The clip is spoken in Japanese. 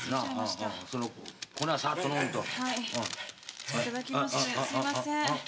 すいません。